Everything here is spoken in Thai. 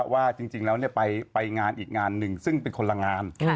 ว่าจริงแล้วไปงานอีกงานหนึ่งซึ่งเป็นคนละงาน